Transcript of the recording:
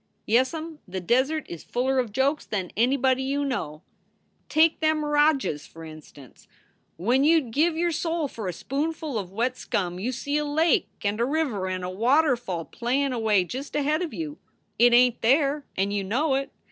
Yessum, the desert is fuller of jokes than anybody you know. Take SOULS FOR SALE 115 them miradges, for instance; when you d give your soul for a spoonful of wet scum you see a lake and a river and a waterfall playin away just ahead of you. It ain t there, and you know it.